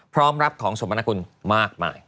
พร้อมรับของสมนกุลมากมาย